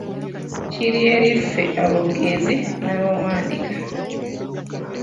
Kiri eri ffe aboogezi n'abawandiika.